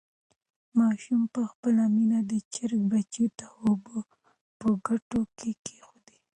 ماشوم په خپله مینه د چرګې بچیو ته اوبه په کټو کې کېښودې.